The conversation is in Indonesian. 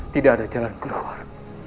tidak ada jalan keluar